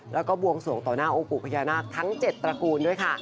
แล้วก็บวงสวงต่อหน้าองค์ปู่พญานาคทั้ง๗ตระกูลด้วยค่ะ